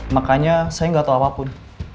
makanya saya nggak tahu apapun